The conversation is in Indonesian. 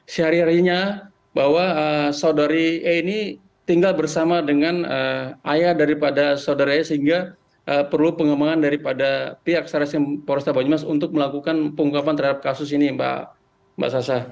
sehari harinya bahwa saudari e ini tinggal bersama dengan ayah daripada saudara e sehingga perlu pengembangan daripada pihak sarsim polresta banyumas untuk melakukan pengungkapan terhadap kasus ini mbak sasa